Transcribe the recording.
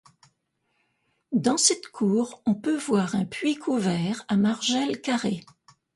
Dans cette cour, on peut voir un puits couvert à margelle carrée.